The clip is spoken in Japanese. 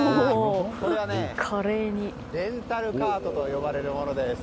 これはレンタルカートと呼ばれるものです。